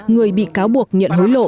người bị cáo buộc nhận hối lộ